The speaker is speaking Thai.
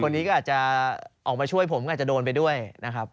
คนนี้ก็อาจจะออกมาช่วยผมก็อาจจะโดนไปด้วยนะครับ